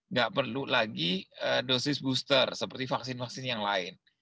nggak perlu lagi dosis booster seperti vaksin vaksin yang lain